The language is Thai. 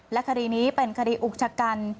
และคดีนี้เป็นคดีอุกชะกัน